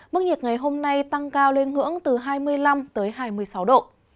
mức nhiệt ngày hôm nay tăng cao lên ngưỡng từ hai mươi năm tới hai mươi sáu độ